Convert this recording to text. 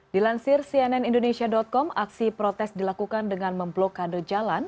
dilansir cnn indonesia com aksi protes dilakukan dengan memblokade jalan